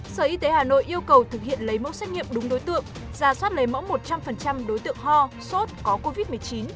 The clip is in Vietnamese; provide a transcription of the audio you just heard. sở y tế hà nội yêu cầu thực hiện lấy mẫu xét nghiệm đúng đối tượng giả soát lấy mẫu một trăm linh đối tượng ho sốt có covid một mươi chín